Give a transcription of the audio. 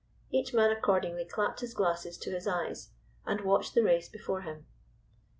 Each man accordingly clapped his glasses to his eyes, and watched the race before them.